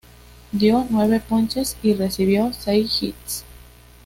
Dio nueve ponches y recibió seis hits.